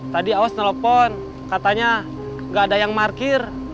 tadi awes telepon katanya gak ada yang markir